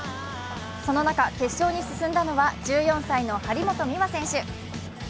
その中、決勝に進んだのは１４歳の張本美和選手。